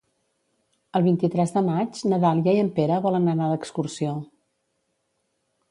El vint-i-tres de maig na Dàlia i en Pere volen anar d'excursió.